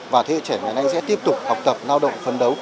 và thế hệ trẻ ngày nay sẽ tiếp tục học tập lao động phấn đấu